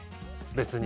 別に。